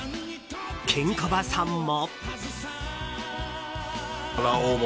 ケンコバさんも。